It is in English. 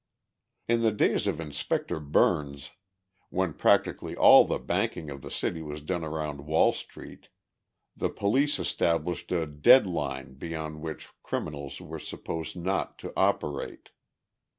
In the days of Inspector Byrnes, when practically all the banking of the city was done around Wall Street, the police established a "dead line" beyond which criminals were supposed not to operate.